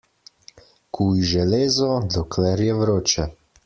Kuj železo, dokler je vroče.